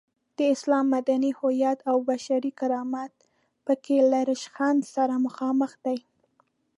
د اسلام مدني هویت او بشري کرامت په کې له ریشخند سره مخامخ دی.